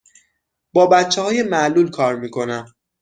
با بچه های معلول کار می کنم.